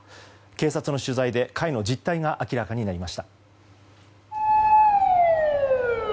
警察の取材で会の実態が明らかになりました。